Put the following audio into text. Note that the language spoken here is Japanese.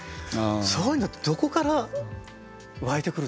そういうのってどこからわいてくるといいますか。